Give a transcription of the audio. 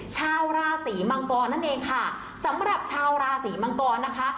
ชาวราศีมังกรนั่นเองค่ะสำหรับชาวราศีมังกรนะคะ